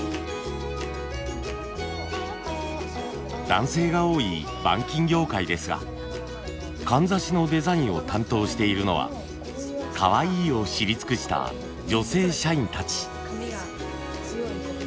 男性が多い板金業界ですがかんざしのデザインを担当しているのはかわいいを知り尽くした女性社員たち。